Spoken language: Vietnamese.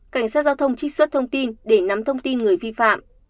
cảnh sát giao thông trích xuất thông tin để nắm thông tin người vi phạm